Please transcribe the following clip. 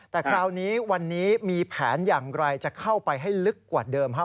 แต่คราวนี้วันนี้มีแผนอย่างไรจะเข้าไปให้ลึกกว่าเดิมครับ